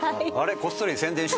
こっそり宣伝して。